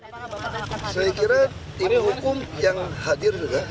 saya kira tim hukum yang hadir juga